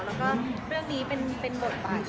แล้วก็เรื่องนี้เป็นบทบาท